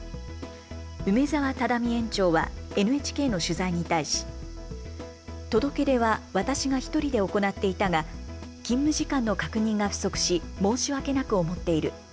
梅澤忠実園長はＮＨＫの取材に対し届け出は私が１人で行っていたが勤務時間の確認が不足し申し訳なく思っている。